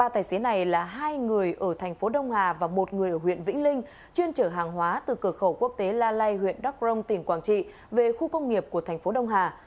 ba tài xế này là hai người ở thành phố đông hà và một người ở huyện vĩnh linh chuyên trở hàng hóa từ cửa khẩu quốc tế la lai huyện đắk rông tỉnh quảng trị về khu công nghiệp của thành phố đông hà